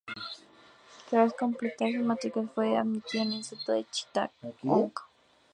Tras completar su matriculación, fue admitido en el Instituto de Chittagong.